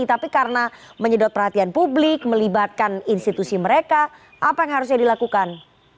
tapi karena menyedot perhatian publik melibatkan institusi mereka apa yang harusnya dilakukan